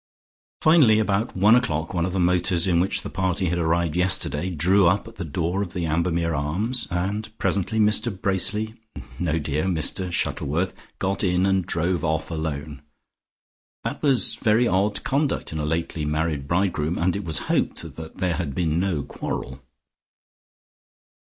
Finally about one o'clock one of the motors in which the party had arrived yesterday drew up at the door of the Ambermere Arms, and presently Mr Bracely, no, dear, Mr Shuttleworth got in and drove off alone. That was very odd conduct in a lately married bridegroom, and it was hoped that there had been no quarrel.